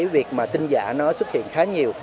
việc tin giả nó xuất hiện khá nhiều